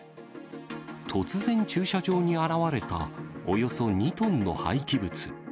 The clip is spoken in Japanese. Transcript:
突然、駐車場に現れた、およそ２トンの廃棄物。